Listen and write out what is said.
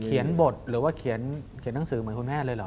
บทหรือว่าเขียนหนังสือเหมือนคุณแม่เลยเหรอ